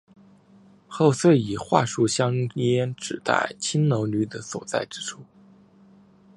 后遂以桦树香烟指代青楼女子所在之处。